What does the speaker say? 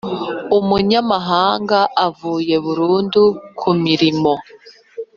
umunyamahanga uvuye burundu kumirimo